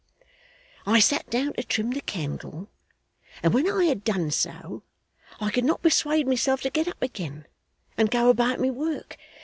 'I sat down to trim the candle, and when I had done so I could not persuade myself to get up again, and go about my work.